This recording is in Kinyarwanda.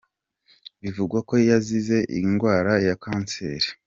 Bivugwa ko yazize ingwara ya cancer.